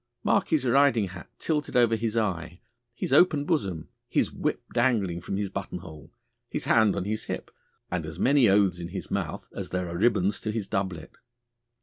Mark his riding hat tilted over his eye, his open bosom, his whip dangling from his button hole, his hand on his hip, and as many oaths in his mouth as there are ribbons to his doublet.